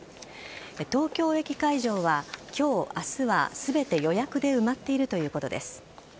東京駅会場は今日、明日は全て予約で埋まっているということです。